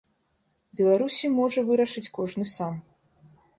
Беларусі можа вырашыць кожны сам.